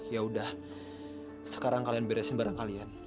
yaudah sekarang kalian beresin barang kalian